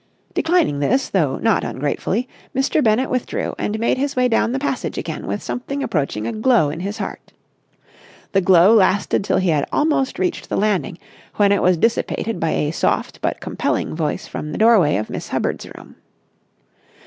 Declining this, though not ungratefully, Mr. Bennett withdrew and made his way down the passage again with something approaching a glow in his heart. The glow lasted till he had almost reached the landing, when it was dissipated by a soft but compelling voice from the doorway of Miss Hubbard's room.